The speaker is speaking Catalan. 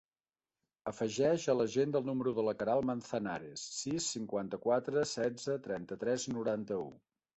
Afegeix a l'agenda el número de la Queralt Manzanares: sis, cinquanta-quatre, setze, trenta-tres, noranta-u.